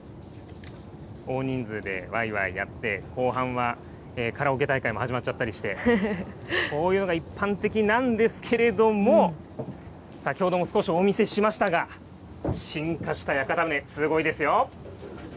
大人数でわいわいやって、後半はカラオケ大会も始まっちゃったりして、こういうのが一般的なんですけれども、先ほども少しお見せしましたが、進化した屋形船、すごいですよ。